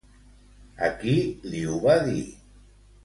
A qui li ho va dir?